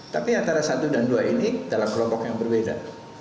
tapi antara satu dan dua ini dalam kelompok yang berbeda